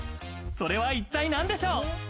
それは一体何でしょう。